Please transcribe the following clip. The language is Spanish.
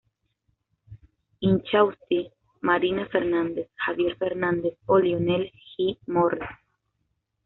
Inchausti, Marina Fernández, Javier Fernández o Lionel G. Morris.